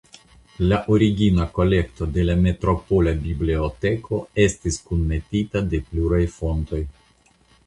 La origina kolekto de la "metropola biblioteko" estis kunmetita de pluraj fontoj.